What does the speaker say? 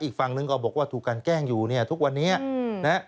อีกฝั่งนึงก็บอกว่าถูกกันแกล้งอยู่เนี่ยทุกวันนี้นะฮะ